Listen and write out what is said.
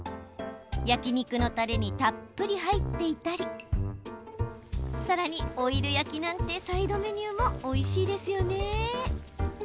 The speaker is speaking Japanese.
焼き肉のタレにたっぷり入っていたりさらに、オイル焼きなんてサイドメニューもおいしいですよね。